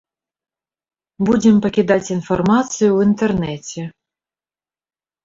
Будзем пакідаць інфармацыю ў інтэрнэце.